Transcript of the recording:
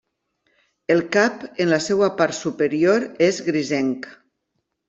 El cap en la seva part superior és grisenc.